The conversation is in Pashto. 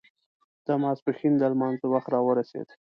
د ماسپښين د لمانځه وخت را ورسېد.